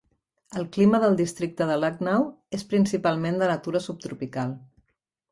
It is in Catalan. El clima del districte de Lucknow és principalment de natura subtropical.